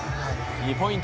１ポイント